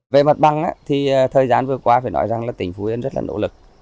về mặt bằng thì thời gian vừa qua phải nói rằng là tỉnh phú yên rất là nỗ lực